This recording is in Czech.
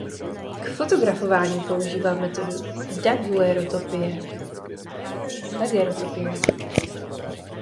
K fotografování používal metodu daguerrotypie.